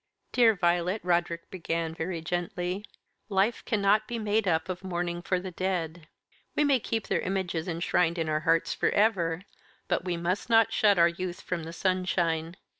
"Dear Violet," Roderick began, very gently, "life cannot be made up of mourning for the dead. We may keep their images enshrined in our hearts for ever, but we must not shut our youth from the sunshine.